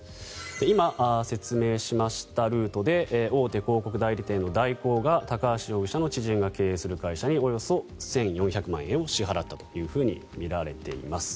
今、説明しましたルートで大手広告代理店の大広が高橋容疑者の知人が経営する会社におよそ１４００万円を支払ったとみられています。